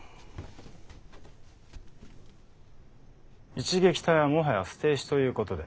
一撃隊はもはや捨て石ということで？